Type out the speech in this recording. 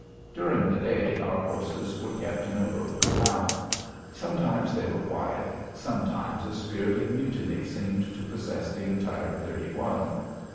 During the day, our horses were kept in a rope corral. Sometimes they were quiet; sometimes a spirit of mutiny seemed to possess the entire thirty one.